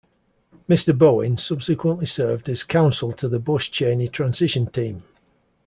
Mr. Bowen subsequently served as Counsel to the Bush-Cheney transition team.